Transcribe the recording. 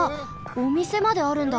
おみせまであるんだ。